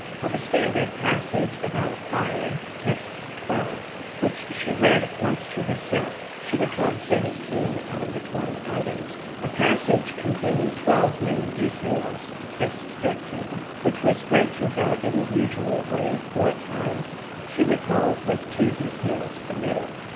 Of a standard passage about a fire (Test XII), which she read once to herself, she recalled 17 out of the 20 items. A passage containing 12 main details (Test XIII), which was read to her in the usual way four times, she recalled with 2 details omitted.